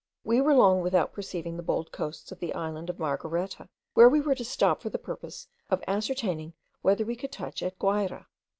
We were long without perceiving the bold coasts of the island of Margareta, where we were to stop for the purpose of ascertaining whether we could touch at Guayra.